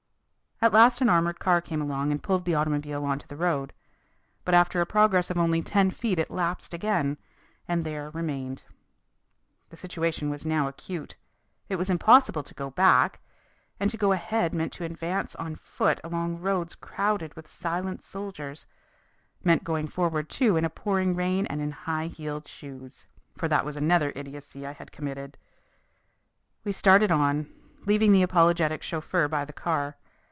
At last an armoured car came along and pulled the automobile onto the road. But after a progress of only ten feet it lapsed again, and there remained. The situation was now acute. It was impossible to go back, and to go ahead meant to advance on foot along roads crowded with silent soldiers meant going forward, too, in a pouring rain and in high heeled shoes. For that was another idiocy I had committed. We started on, leaving the apologetic chauffeur by the car.